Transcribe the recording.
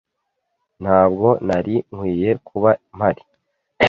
Ntabwo nari nkwiye kuba mpari.